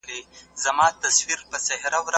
د علمي څېړنو نتایج د ټولني لپاره ګټور ثابت سوي.